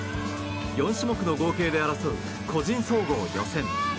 ４種目の合計で争う個人総合予選。